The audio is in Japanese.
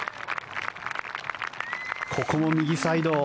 ここも右サイド。